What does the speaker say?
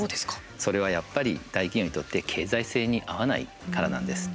それはやっぱり、大企業にとって経済性に合わないからなんです。